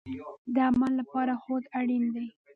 د عمل لپاره هوډ اړین دی